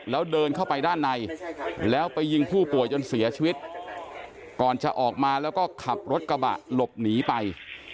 แล้วเดินเข้าไปด้านในแล้วไปยิงผู้ป่วยจนเสียชีวิตก่อนจะออกมาแล้วก็ขับรถกระบะหลบหนีไป